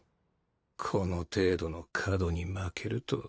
この程度の下奴に負けるとは。